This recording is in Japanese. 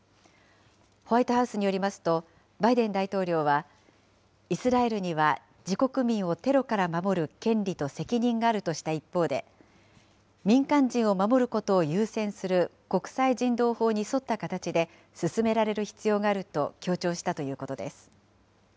ホワイトハウスによりますと、バイデン大統領は、イスラエルには自国民をテロから守る権利と責任があるとした一方で、民間人を守ることを優先する国際人道法に沿った形で進められる必要があると強調したということです。